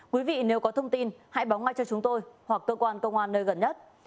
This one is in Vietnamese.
quý vị nếu có thông tin hãy báo ngay cho chúng tôi hoặc cơ quan công an nơi gần nhất